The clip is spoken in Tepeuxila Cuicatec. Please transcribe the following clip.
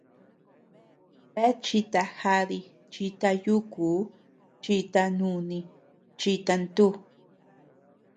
Bea chita jadi, chita yukuu, chita núni, chita ntú.